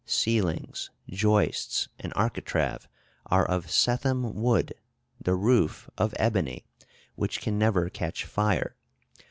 Ceilings, joists, and architrave are of Sethym wood, the roof of ebony, which can never catch fire.